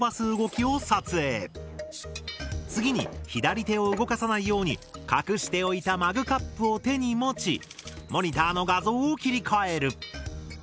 次に左手を動かさないように隠しておいたマグカップを手に持ちモニターの画像を切り替える。